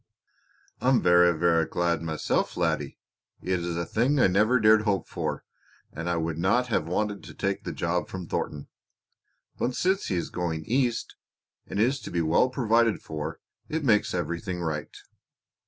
"I'm verra, verra glad myself, laddie. It is a thing I never dared hope for, and I would not have wanted to take the job from Thornton. But since he is going East and is to be well provided for it makes everything right."